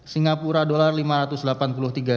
singapura dolar lima ratus delapan puluh tiga